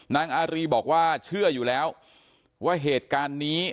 นางอารีบอกว่าเชื่ออยู่แล้วว่าเหตุการณ์นี้